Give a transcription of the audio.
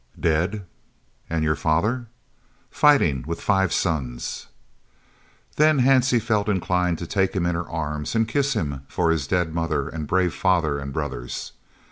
"Dead." "And your father?" "Fighting, with five sons." Then Hansie felt inclined to take him in her arms and kiss him for his dead mother and brave father and brothers.